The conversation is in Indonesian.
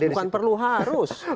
harus bukan perlu harus